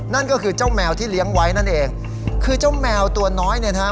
นั่นก็คือเจ้าแมวที่เลี้ยงไว้นั่นเองคือเจ้าแมวตัวน้อยเนี่ยนะฮะ